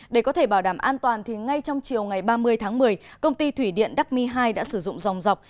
để có thể bảo đảm an toàn thì ngay trong chiều ngày ba mươi tháng một mươi công ty thủy điện đắc mi hai đã sử dụng dòng dọc